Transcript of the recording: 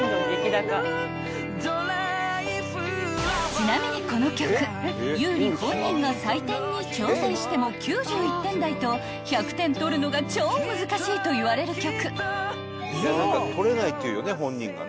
［ちなみにこの曲優里本人が採点に挑戦しても９１点台と１００点取るのが超難しいといわれる曲］